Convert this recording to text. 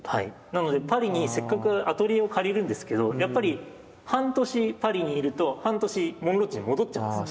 なのでパリにせっかくアトリエを借りるんですけどやっぱり半年パリにいると半年モンロッチに戻っちゃうんです。